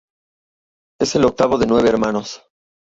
Es el octavo de nueve hermanos.